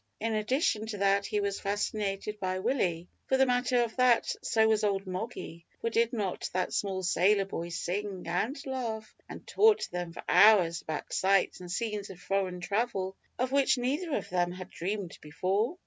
In addition to that he was fascinated by Willie for the matter of that, so was old Moggy for did not that small sailor boy sing, and laugh, and talk to them for hours about sights and scenes of foreign travel, of which neither of them had dreamed before?